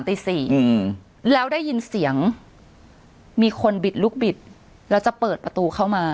ตีสี่อืมแล้วได้ยินเสียงมีคนบิดลูกบิดแล้วจะเปิดประตูเข้ามา